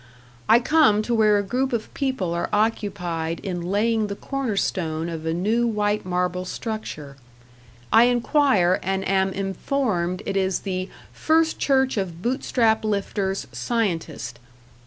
I come to where a group of people are occupied in laying the corner stone of a new white marble structure; I inquire and am informed it is the First Church of Bootstrap lifters, Scientist.